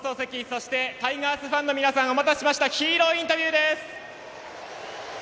そしてタイガースファンの皆さんお待たせしましたヒーローインタビューです！